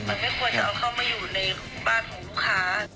มันไม่ควรจะเอาเข้ามาอยู่ในบ้านของลูกค้า